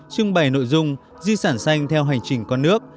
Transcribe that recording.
trưng bày nội dung di sản xanh theo hành trình con nước